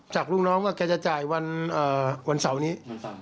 ลูกน้องว่าแกจะจ่ายวันเสาร์นี้